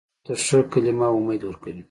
غریب ته ښه کلمه امید ورکوي